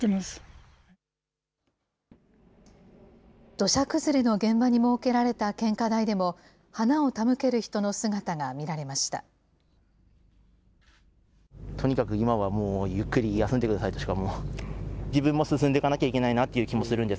土砂崩れの現場に設けられた献花台でも、花を手向ける人の姿が見られました。